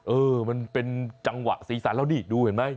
เออมันเป็นจังหวะสีสันแล้วนี่ดูเห็นไหม